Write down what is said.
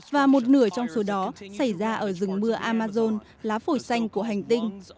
và một nửa trong số đó xảy ra ở rừng mưa amazon lá phổi xanh của hành tinh